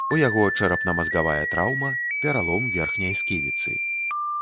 У яго чэрапна-мазгавая траўма, пералом верхняй сківіцы.